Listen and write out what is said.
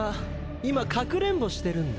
今かくれんぼしてるんだ。